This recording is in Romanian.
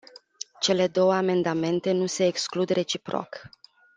Cele două amendamente nu se exclud reciproc.